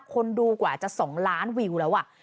คนดูกว่าจะ๒ล้านวิวแล้ว